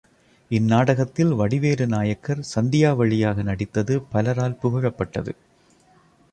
இந் நாடகத்தில் வடிவேலு நாயக்கர், சந்தியாவளியாக நடித்தது பலரால் புகழப்பட்டது.